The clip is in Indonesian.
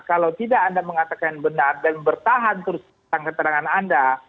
kalau tidak anda mengatakan benar dan bertahan terus tentang keterangan anda